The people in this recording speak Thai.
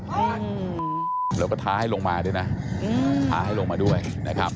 เราก็ท้าให้ลงมาด้วยนะท้าให้ลงมาด้วยนะครับ